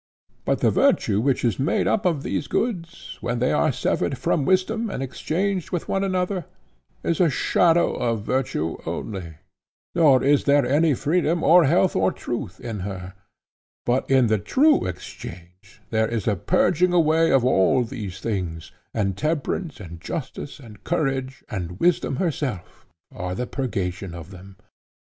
But the virtue which is made up of these goods, when they are severed from wisdom and exchanged with one another, is a shadow of virtue only, nor is there any freedom or health or truth in her; but in the true exchange there is a purging away of all these things, and temperance, and justice, and courage, and wisdom herself are the purgation of them.